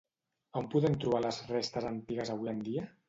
On podem trobar les restes antigues avui en dia?